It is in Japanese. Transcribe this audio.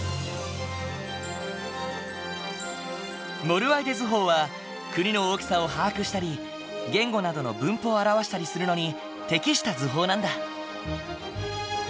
モルワイデ図法は国の大きさを把握したり言語などの分布を表したりするのに適した図法なんだ。